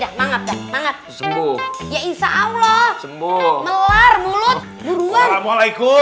dah banget banget sembuh ya insyaallah sembuh melar mulut buruan waalaikumsalam